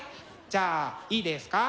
じゃあいいですか？